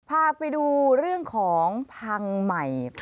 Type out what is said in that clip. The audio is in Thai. พาไปดูเรื่องของพังใหม่